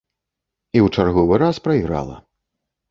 І ў чарговы раз прайграла.